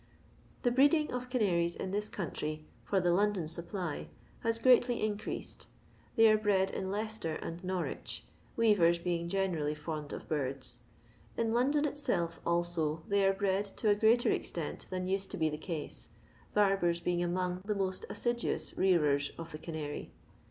The breeding of can; tries in this country for the London supply has greatly increased. They are bred in Leicester and Norwich, weavers being generally fond of birds. In London itself, also, they are bred to a greater extent than used to be the case, barbers being among the most assiduous rearers of the canary.